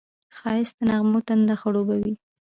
ښایست د نغمو تنده خړوبوي